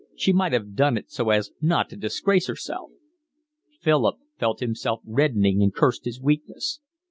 She might 'ave done it so as not to disgrace herself." Philip felt himself reddening and cursed his weakness.